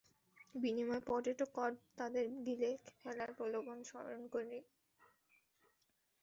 বিনিময়ে, potato cod তাদের গিলে ফেলার প্রলোভন সম্বরণ করে।